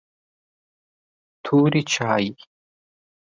توري چای